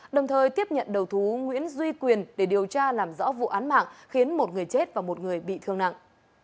đồng thời tiếp nhận đầu thú nguyễn duy quyền để điều tra làm rõ vụ án mạng khiến một người chết và một người bị thương nặng